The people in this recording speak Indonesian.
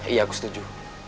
iya aku setuju